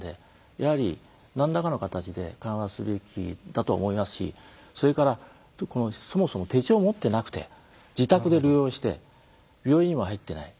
やはり、何らかの形で緩和すべきだと思いますしそれから、そもそも手帳を持っていなくて自宅で療養して病院にも入っていない。